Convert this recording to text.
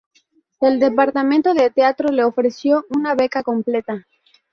El departamento de teatro le ofreció una beca completa.